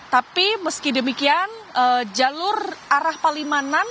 tapi meski demikian jalur arah palimanan